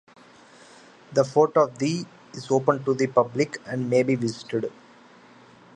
The fort of the is open to the public and may be visited.